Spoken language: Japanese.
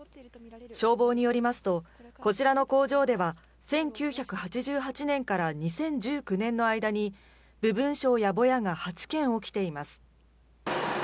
消防によりますと、こちらの工場では、１９８８年から２０１９年の間に部分焼やボヤが８件起きています。